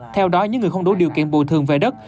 theo đó những người không đủ điều kiện bồi thường về đất